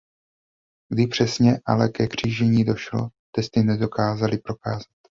Kdy přesně ale ke křížení došlo testy nedokázaly prokázat.